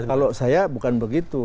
kalau saya bukan begitu